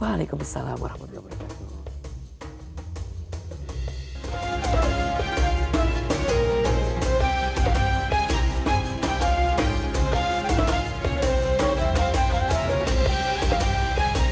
waalaikumsalam warahmatullahi wabarakatuh